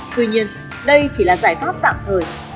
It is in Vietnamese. tuy nhiên đây chỉ là giải pháp tạm thời